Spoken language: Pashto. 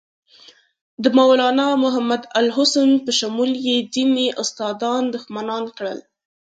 د مولنا محمودالحسن په شمول یې ځینې استادان دښمنان کړل.